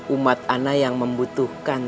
umat ana yang membutuhkan